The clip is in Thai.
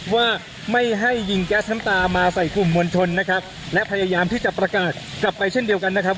ว่าไม่ให้ยิงแก๊สน้ำตามาใส่กลุ่มมวลชนนะครับและพยายามที่จะประกาศกลับไปเช่นเดียวกันนะครับ